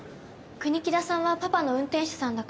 国木田さんはパパの運転手さんだから。